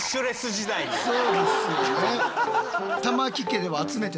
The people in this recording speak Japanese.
そうですよね。